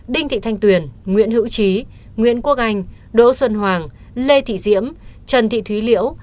đinh thị thanh tuyền nguyễn hữu trí nguyễn quốc anh đỗ xuân hoàng lê thị diễm trần thị thúy liễu